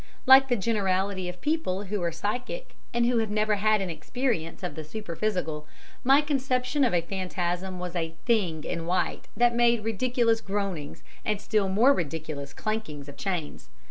Like the generality of people who are psychic and who have never had an experience of the superphysical, my conception of a phantasm was a "thing" in white that made ridiculous groanings and still more ridiculous clankings of chains.